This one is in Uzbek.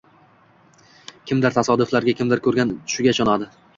Kimdir tasodiflarga, kimdir ko‘rgan tushiga ishonadi.